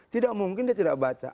tidak mungkin dia tidak baca